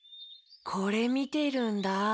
これみてるんだ。